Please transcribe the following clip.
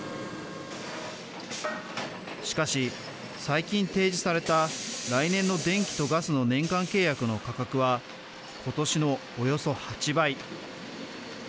しかし、最近提示された来年の電気とガスの年間契約の価格は今年のおよそ８倍。